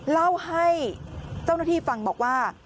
เล่าให้เจ้าหน้าที่ฟังบอกว่า